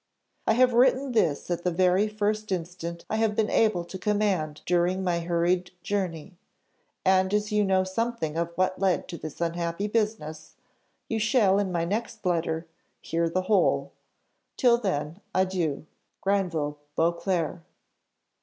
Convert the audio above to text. I have written this at the first instant I have been able to command during my hurried journey, and as you know something of what led to this unhappy business, you shall in my next letter hear the whole; till then, adieu! GRANVILLE BEAUCLERC."